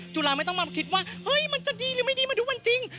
จุฬาไม่ต้องมาคิดว่าเฮ้ยมันจะดีหรือไม่ดีมาดูมันจริง